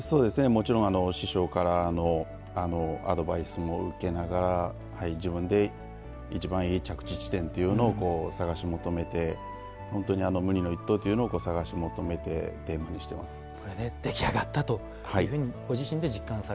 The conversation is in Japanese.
もちろん師匠からアドバイスも受けながら自分でいちばんいい着地点というのを探し求めて本当に無二の一刀というのを探し求めて出来上がったというふうにはい。